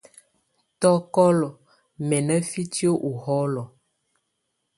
Tɔ́kɔ́lɔ mɛ na fitiǝ́ ɔ hɔlɔ?